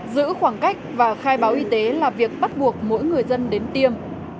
giữ khoảng cách và khai báo y tế là việc bắt buộc mỗi người dân đến tiêm